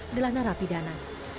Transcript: adalah narapi dana